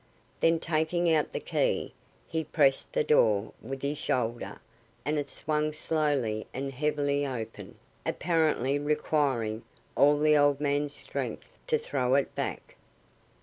Then taking out the key, he pressed the door with his shoulder, and it swung slowly and heavily open, apparently requiring all the old man's strength to throw it back.